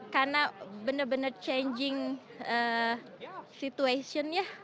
karena benar benar changing situation ya